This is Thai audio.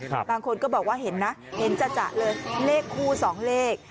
บางคนก็บอกว่าเห็นนะเห็นจัดเลยเลขคู่สองเลข